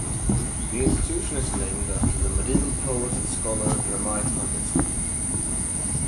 The institution is named after the medieval poet and scholar Ramai Pandit.